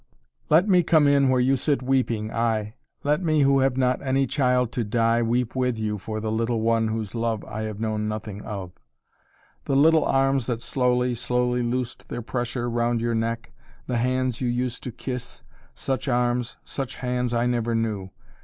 "Let me come in where you sit weeping, aye: Let me who have not any child to die Weep with you for the little one whose love I have known nothing of. The little arms that slowly, slowly loosed Their pressure round your neck, the hands you used To kiss. Such arms, such hands I never knew.